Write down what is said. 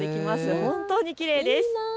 本当にきれいです。